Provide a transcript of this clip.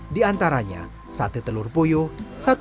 diantaranya sate telur poyo sate oden dan sate kucing